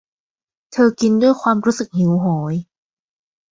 เธอกินด้วยความรู้สึกหิวโหย